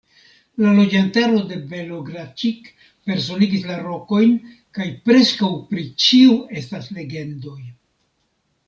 La loĝantaro de Belogradĉik personigis la rokojn, kaj preskaŭ pri ĉiu estas legendoj.